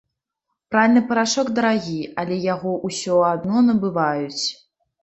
Пральны парашок дарагі, але яго ўсё адно набываюць.